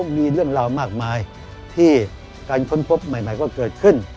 มีเรื่องราวมากมายที่การค้นพบใหม่ก็เกิดขึ้น